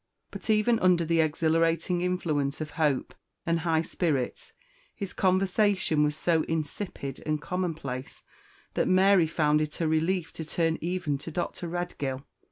But even under the exhilarating influence of hope and high spirits his conversation was so insipid and commonplace, that Mary found it a relief to turn even to Dr. Redgill.